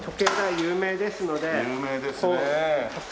有名ですね。